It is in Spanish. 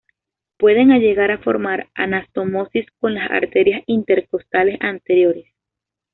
Pueden a llegar a formar anastomosis con las arterias intercostales anteriores.